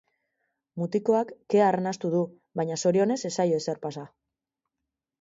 Mutikoak kea arnastu du, baina zorionez ez zaio ezer pasa.